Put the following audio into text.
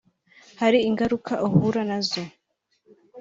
hari ingaruka uhura na zo